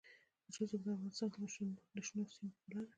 رسوب د افغانستان د شنو سیمو ښکلا ده.